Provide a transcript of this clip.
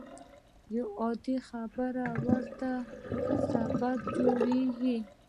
يوه عادي خبره ورته سبب جوړېږي.